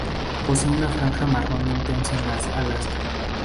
Posee una franja marrón intenso en las alas.